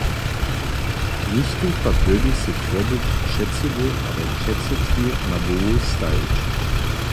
Něchtó pak dyrbi sej kłobuk předsydy abo předsydki na hłowu stajić.